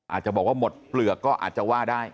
อาจจะบอกว่าหมดเปลือกก็อาจจะว่าได้